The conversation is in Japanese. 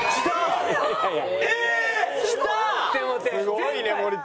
すごいね森田。